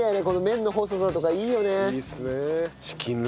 この麺の細さとかいいよね。